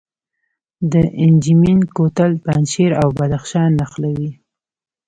د انجمین کوتل پنجشیر او بدخشان نښلوي